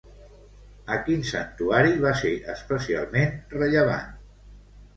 A quin santuari va ser especialment rellevant?